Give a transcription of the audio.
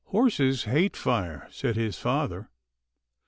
" Horses hate fire," said his father.